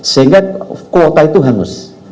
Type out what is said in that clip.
sehingga kuota itu hangus